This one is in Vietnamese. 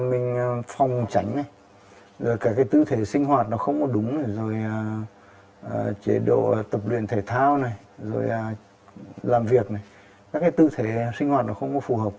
mình phòng tránh rồi cả cái tư thế sinh hoạt nó không có đúng rồi chế độ tập luyện thể thao rồi làm việc các cái tư thế sinh hoạt nó không có phù hợp